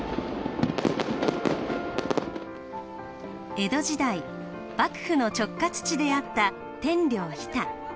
江戸時代幕府の直轄地であった天領日田。